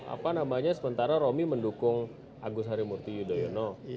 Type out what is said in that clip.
apa namanya sementara romi mendukung agus harimurti yudhoyono